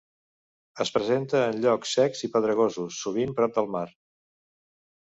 Es presenta en llocs secs i pedregosos, sovint prop del mar.